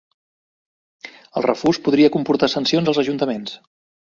El refús podria comportar sancions als ajuntaments